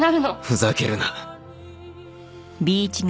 ふざけるな